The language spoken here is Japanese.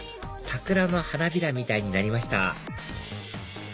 桜の花びらみたいになりました